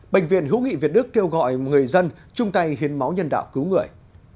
bệnh viện hữu nghị việt đức kêu gọi người dân chung tay hiến máu nhân đạo cứu người